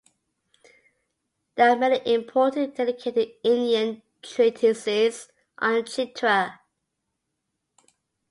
There are many important dedicated Indian treatises on "chitra".